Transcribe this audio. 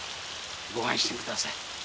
ご安心ください。